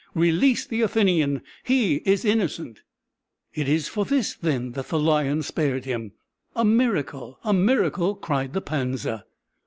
Release the Athenian he is innocent!" "It is for this, then, that the lion spared him, A miracle! a miracle!" cried Pansa.